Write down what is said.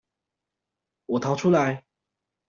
我逃出來